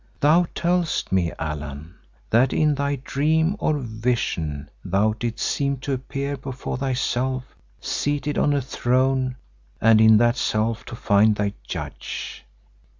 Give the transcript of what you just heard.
"Thou tellest me, Allan, that in thy dream or vision thou didst seem to appear before thyself seated on a throne and in that self to find thy judge.